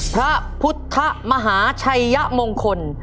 พระพุทธมหาชัยมงคล